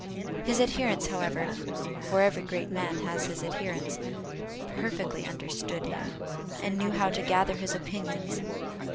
His adherents, however (for every great man has his adherents), perfectly understood him, and knew how to gather his opinions.